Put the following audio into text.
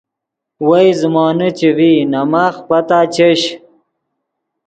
وئے زیمونے چے ڤئی نے ماخ پتا چش